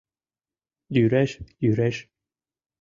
Йӱреш, йӱреш...